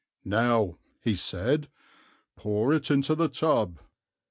'Now,' he said, 'pour it into the tub.'